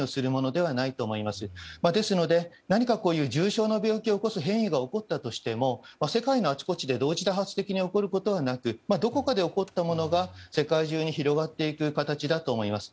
ですので何か重症な病気を起こす変異が起こったとしても世界のあちこちで同時多発的に起こることはなくてどこかで起こったものが世界中に広がっていく形だと思います。